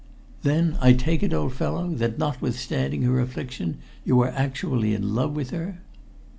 "Then I take it, old fellow, that notwithstanding her affliction, you are actually in love with her?"